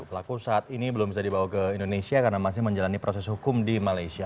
pelaku saat ini belum bisa dibawa ke indonesia karena masih menjalani proses hukum di malaysia